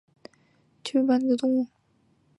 湛江雌盘吸虫为微茎科雌盘属的动物。